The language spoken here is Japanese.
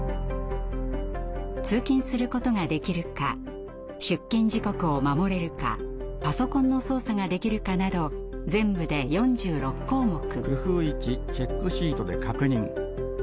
通勤することができるか出勤時刻を守れるかパソコンの操作ができるかなど全部で４６項目。